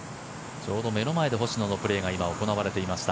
ちょうど目の前で星野のプレーが行われていました。